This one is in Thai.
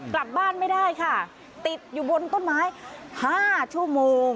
กลับบ้านไม่ได้ค่ะติดอยู่บนต้นไม้๕ชั่วโมง